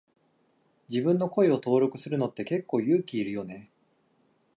自分の声を登録するのって結構勇気いるよね。